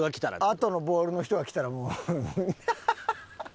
あとのボールの人が来たらもうハハハハ。